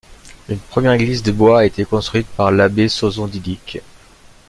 Une première église de bois a été construite par l'abbée Sozont Dydyk.